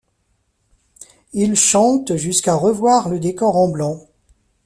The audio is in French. Il chante jusqu'à revoir le décor en blanc.